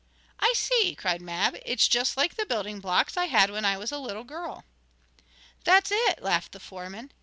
"I see!" cried Mab. "It's just like the building blocks I had when I was a little girl." "That's it!" laughed the foreman.